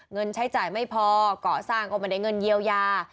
ใช้จ่ายไม่พอก่อสร้างก็ไม่ได้เงินเยียวยา